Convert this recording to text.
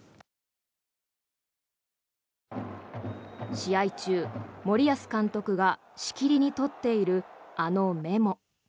試合中、森保監督がしきりに取っているあのメモ。